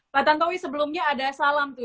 pak tantowi sebelumnya ada salam tuh